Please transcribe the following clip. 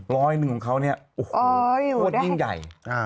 ร้อยหนึ่งของเขาเนี่ยโอ้โหโทษยิ่งใหญ่